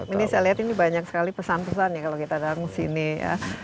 ini saya lihat ini banyak sekali pesan pesan ya kalau kita datang sini ya